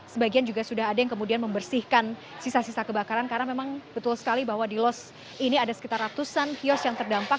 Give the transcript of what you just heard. sebagian juga sudah ada yang kemudian membersihkan sisa sisa kebakaran karena memang betul sekali bahwa di los ini ada sekitar ratusan kios yang terdampak